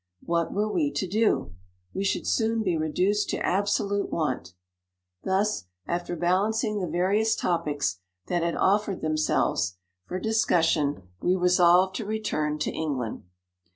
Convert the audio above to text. What were we to do ? we should soon be reduced to absolute want. Thus, after balancing the va rious topics that offered themselves for 54 discussion, we resolved to return to England.